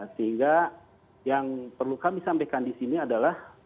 sehingga yang perlu kami sampaikan di sini adalah